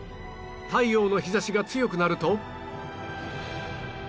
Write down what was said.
太陽の日差しが強くなると